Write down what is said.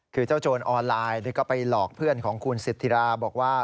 คือเจ้าโจรออนไลน์ก็ไปหลอกเพื่อนของคุณสิทธิราบอกว่า